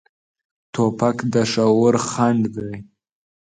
توپک د شعور خنډ دی.